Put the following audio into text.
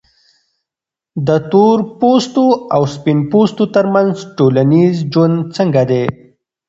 د تورپوستو او سپین پوستو ترمنځ ټولنیز ژوند څنګه دی؟